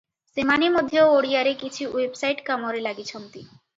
ସେମାନେ ମଧ୍ୟ ଓଡ଼ିଆରେ କିଛି ୱେବସାଇଟ କାମରେ ଲାଗିଛନ୍ତି ।